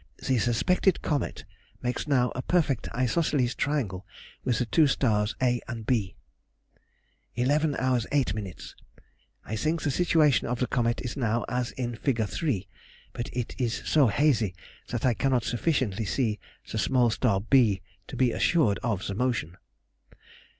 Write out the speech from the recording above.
The suspected comet makes now a perfect isosceles triangle with the two stars a and b. 11^h 8ʹ. I think the situation of the comet is now as in Fig. 3, but it is so hazy that I cannot sufficiently see the small star b to be assured of the motion.